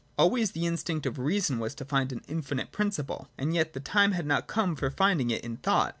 Always the instinct of reason was to find an infinite principle. As yet, the time had not cfeme for finding it in thought.